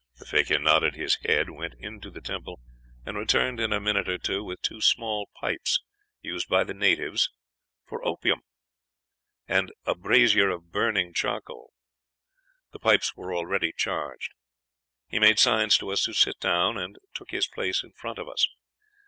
"The fakir nodded his head, went into the temple, and returned in a minute or two with two small pipes used by the natives for opium smoking, and a brazier of burning charcoal. The pipes were already charged. He made signs to us to sit down, and took his place in front of us.